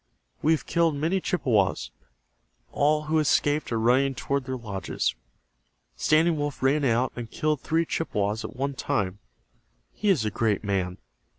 "We have killed many Chippewas. All who escaped are running toward their lodges. Standing Wolf ran out and killed three Chippewas at one time. He is a great man.